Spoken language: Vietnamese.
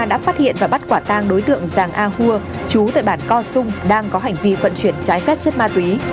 đã phát hiện và bắt quả tang đối tượng giang ahua chú tội bản co sung đang có hành vi phận chuyển trái phép chất ma túy